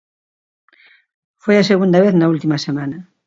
Foi a segunda vez na última semana.